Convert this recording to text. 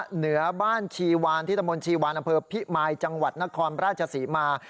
เหนือบ้านชีวานที่ตะมนตรีวานอำเภอพิมายจังหวัดนครราชศรีมา